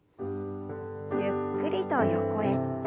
ゆっくりと横へ。